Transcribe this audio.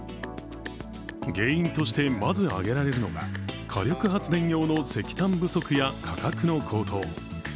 原因としてまず挙げられるのが火力発電用の石炭不足や価格の高騰。